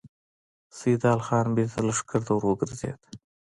سيدال خان بېرته لښکر ته ور وګرځېد.